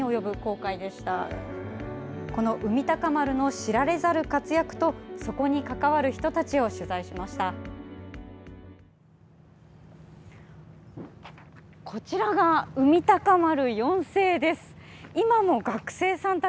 「海鷹丸」の知られざる活躍とそこに関わる人たちを取材しました。